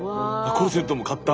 コルセットも買った！